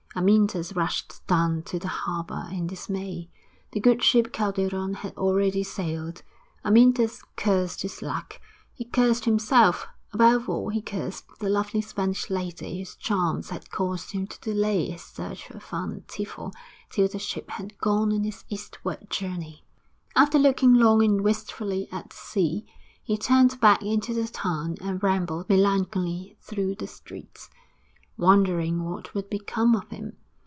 Amyntas rushed down to the harbour in dismay. The good ship Calderon had already sailed. Amyntas cursed his luck, he cursed himself; above all, he cursed the lovely Spanish lady whose charms had caused him to delay his search for Van Tiefel till the ship had gone on its eastward journey. After looking long and wistfully at the sea, he turned back into the town and rambled melancholy through the streets, wondering what would become of him.